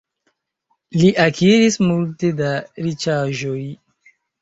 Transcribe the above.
Li akiris multe da riĉaĵoj.